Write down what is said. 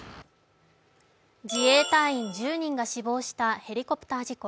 自衛隊員１０人が死亡したヘリコプター事故。